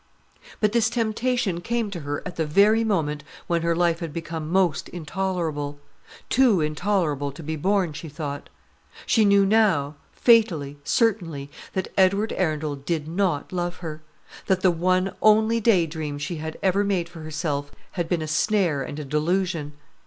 But this temptation came to her at the very moment when her life had become most intolerable; too intolerable to be borne, she thought. She knew now, fatally, certainly, that Edward Arundel did not love her; that the one only day dream she had ever made for herself had been a snare and a delusion.